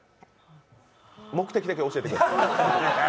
目的だけ教えてください。